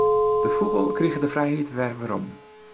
De fûgel krige de frijheid wer werom.